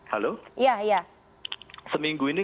halo seminggu ini